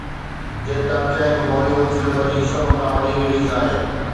جيڪا ڪنهن به بالي ووڊ فلم جي سڀ کان وڏي رليز آهي